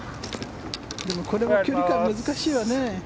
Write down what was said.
でもこれは距離感、難しいよね。